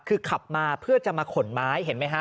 คือขับมาเพื่อจะมาขนไม้เห็นไหมฮะ